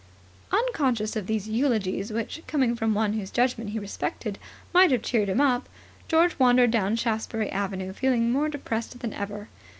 Unconscious of these eulogies, which, coming from one whose judgment he respected, might have cheered him up, George wandered down Shaftesbury Avenue feeling more depressed than ever.